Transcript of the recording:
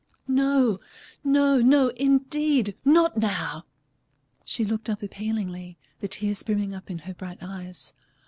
"No, no, no, indeed, not now!" She looked up appealingly, the tears brimming up in her bright eyes.